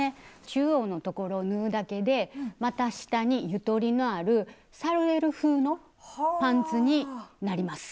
中央の所を縫うだけで股下にゆとりのあるサルエル風のパンツになります。